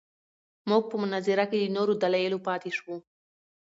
موږ په مناظره کې له نورو دلایلو پاتې شوو.